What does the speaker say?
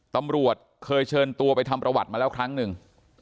ตำรวจเคยเชิญตัวไปทำประวัติมาแล้วครั้งหนึ่ง